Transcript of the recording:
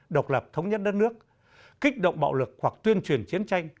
độc lập thống nhất đất nước kích động bạo lực hoặc tuyên truyền chiến tranh